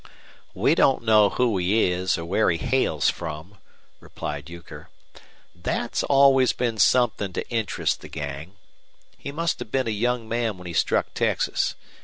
"We don't know who he is or where he hails from," replied Euchre. "Thet's always been somethin' to interest the gang. He must have been a young man when he struck Texas.